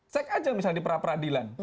cek aja misalnya di perapradilan